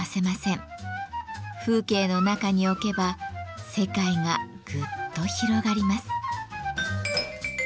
風景の中に置けば世界がぐっと広がります。